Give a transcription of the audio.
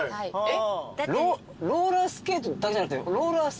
ローラースケートだけじゃなくて。